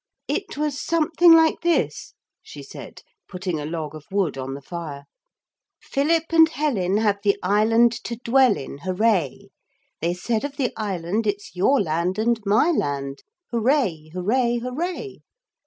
'It was something like this,' she said, putting a log of wood on the fire: 'Philip and Helen Have the island to dwell in, Hooray. They said of the island, "It's your land and my land!" Hooray. Hooray. Hooray.